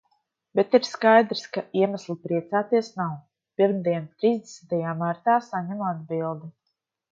Bet ir skaidrs, ka iemesla priecāties nav. Pirmdien, trīsdesmitajā martā, saņemu atbildi.